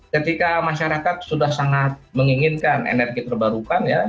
ketika masyarakat sudah sangat menginginkan energi terbarukan ya